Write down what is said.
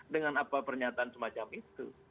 dengan apa pernyataan semacam itu